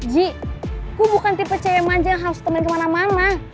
ji gue bukan tipe cm aja yang harus temen kemana mana